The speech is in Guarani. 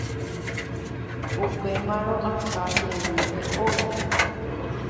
upémarõ aha jeýnte ógape